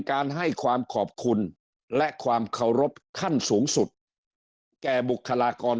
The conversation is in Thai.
การให้ความขอบคุณและความเคารพขั้นสูงสุดแก่บุคลากร